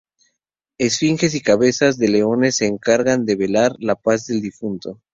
Esfinges y cabezas de leones se encargan de velar la paz del difunto.